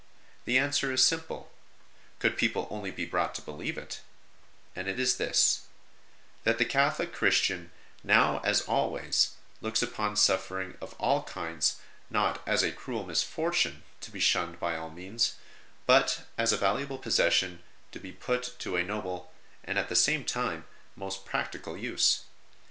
The answer is simple, could people only be brought to believe it : and it is this : that the Catholic Christian, now as always, looks upon suffering of all kinds not as a cruel misfortune to be shunned by all means, but as a valuable pos session to be put to a noble, and at the same time most practical, use.